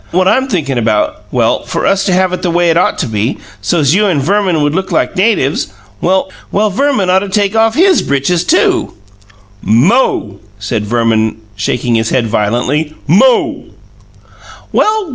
What I'm thinkin' about, well, for us to have it the way it ought to be, so's you and Verman would look like natives well, Verman ought to take off his britches, too." "Mo!" said Verman, shaking his head violently. "Mo!"